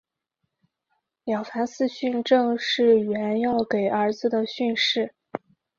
了凡四训正是袁要给儿子的训示。